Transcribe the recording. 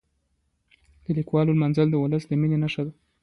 د لیکوالو لمانځل د ولس د مینې نښه ده.